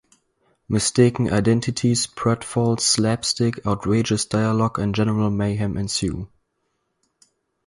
Mistaken identities, pratfalls, slapstick, outrageous dialogue, and general mayhem ensue.